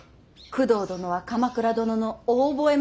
工藤殿は鎌倉殿のお覚え